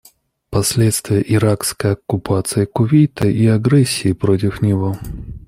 Последствия иракской оккупации Кувейта и агрессии против него.